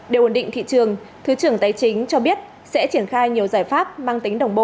để ổn định thị trường thứ trưởng tài chính cho biết sẽ triển khai nhiều giải pháp mang tính đồng bộ